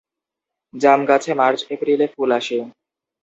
জাম গাছে মার্চ এপ্রিলে ফুল আসে।